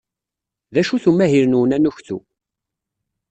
D acu-t umahil-nwen anuktu?